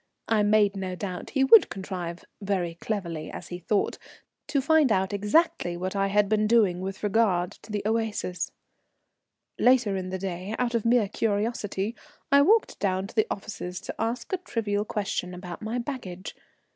I made no doubt he would contrive, very cleverly as he thought, to find out exactly what I had been doing with regard to the Oasis. Later in the day, out of mere curiosity, I walked down to the offices to ask a trivial question about my baggage.